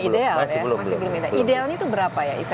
idealnya itu berapa ya essential force